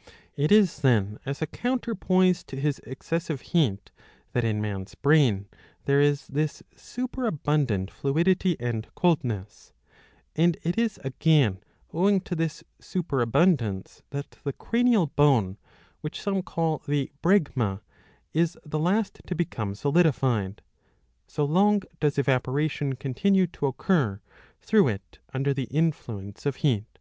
^'' It is then as a counterpoise to his excessive heat that in man's brain there is this superabundant fluidity and coldness ; and ,it is again owing to this superabundance that the cranial bone which some call the Bregma ^^ is the last to become solidified ;^^ so long does evaporation continue to occur through it under the influence of heat.